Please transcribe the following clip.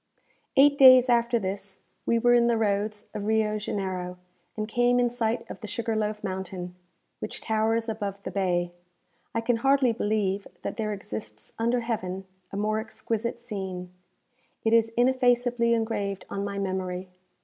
Eight days after this we were in the roads of Rio Janeiro, and came in sight of the Sugar loaf Mountain, which towers above the bay. I can hardly believe that there exists under heaven a more exquisite scene. It is ineffaceably engraved on my memory.